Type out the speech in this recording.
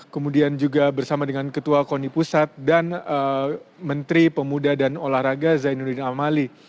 kemudian juga bersama dengan ketua koni pusat dan menteri pemuda dan olahraga zainuddin amali